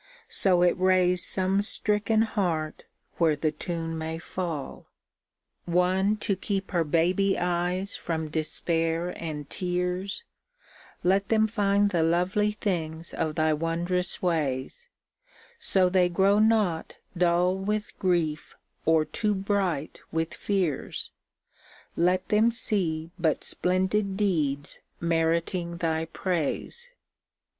So it raise some stricken heart where the tune may faU. One to keep her baby eyes from despair and tears, Let them find the lovely things of thy wondrous ways ; So they grow not dull with grief or too bright with fears — Let them see but splendid deeds meriting Thy praise.